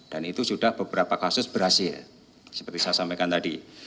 dan itu sudah beberapa kasus berhasil seperti saya sampaikan tadi